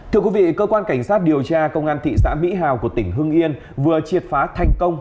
thưa quý vị cơ quan cảnh sát điều tra công an thị xã mỹ hào của tỉnh hưng yên vừa triệt phá thành công